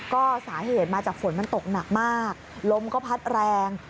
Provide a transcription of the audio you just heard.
ก็สาเหตุมาจากฝนมันตกหนักมากลมก็พัดแรง